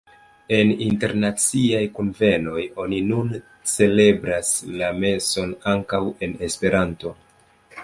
En internaciaj kunvenoj oni nun celebras la meson ankaŭ en Esperanto.